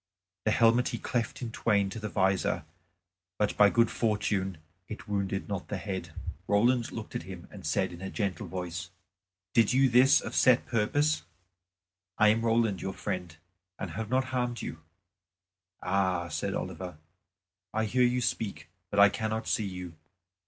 The helmet he cleft in twain to the visor; but by good fortune it wounded not the head. Roland looked at him and said in a gentle voice, "Did you this of set purpose? I am Roland your friend, and have not harmed you." "Ah!" said Oliver, "I hear you speak, but I cannot see you.